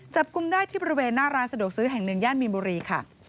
กุมได้ที่บริเวณหน้าร้านสะดวกซื้อแห่งหนึ่งย่านมีนบุรีค่ะ